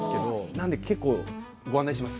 なんで結構ご案内します。